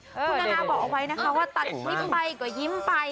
คุณนานาบอกเอาไว้นะคะว่าตัดคลิปไปก็ยิ้มไป